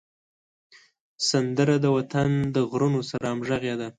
سندره د وطن د غرونو سره همږغي ده